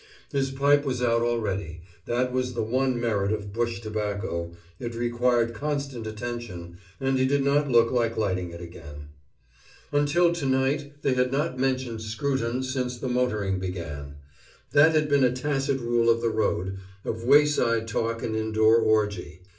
His pipe was out already that was the one merit of bush tobacco, it required constant attention and he did not look like lighting it again. Until to night they had not mentioned Scruton since the motoring began. That had been a tacit rule of the road, of wayside talk and indoor orgy.